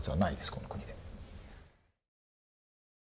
この国では。